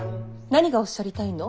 何がおっしゃりたいの。